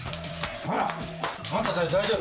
あら？あんたたち大丈夫？